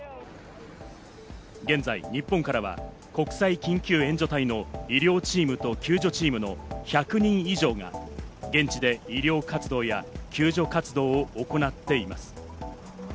現在、日本からは国際緊急援助隊の医療チームと救助チームの１００人以上が現地で医療活動や救助活動を行っています。